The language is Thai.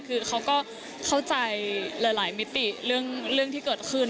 คือเขาก็เข้าใจหลายมิติเรื่องที่เกิดขึ้น